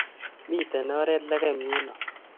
Miten oret lekem yuno